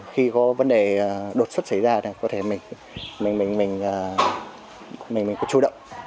khi có vấn đề đột xuất xảy ra mình có chú động